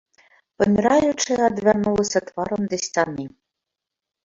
Паміраючая адвярнулася тварам да сцяны.